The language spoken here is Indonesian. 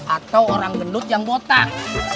atau orang gendut yang botak